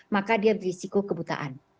maka dia berisiko kebutuhan